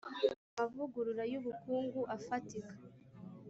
amavugura y ubukungu afatika